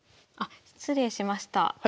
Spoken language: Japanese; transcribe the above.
あっ失礼しました。